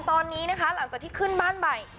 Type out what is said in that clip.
ตอนนี้นะคะหลังจากที่ขึ้นบ้านใหม่